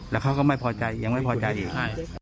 แล้วเขาก็ยังไม่พอใจอีก